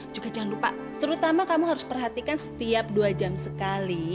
juga jangan lupa terutama kamu harus perhatikan setiap dua jam sekali